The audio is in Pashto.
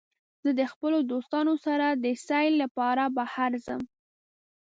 زه د خپلو دوستانو سره د سیل لپاره بهر ځم.